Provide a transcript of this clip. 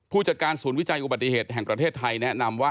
ผู้จัดการศูนย์วิจัยอุบัติเหตุแห่งประเทศไทยแนะนำว่า